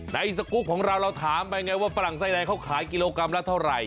สกุปของเราเราถามไปไงว่าฝรั่งไส้แดงเขาขายกิโลกรัมละเท่าไหร